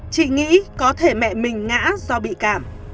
chị nghĩ có thể mẹ mình ngã do bị cảm